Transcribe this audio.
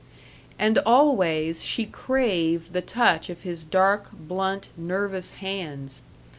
And always she craved the touch of his dark, blunt, nervous hands.